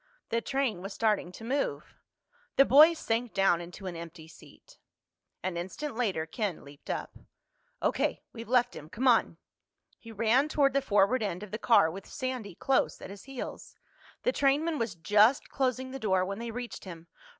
The train was starting to move. The boys sank down into an empty seat. An instant later Ken leaped up. "O.K. We've left him. Come on." He ran toward the forward end of the car with Sandy close at his heels. The trainman was just closing the door when they reached him.